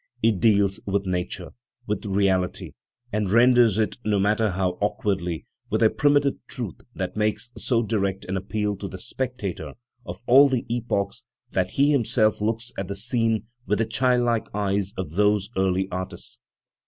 It deals with nature, with reality, and renders it, no matter how awkwardly, with a primitive truth that makes so direct an appeal to the spectator of all epochs that he himself looks at the scene with the child like eyes of those early artists.